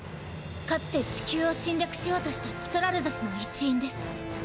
かつて地球を侵略しようとしたキトラルザスの一員です。